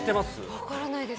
分からないです。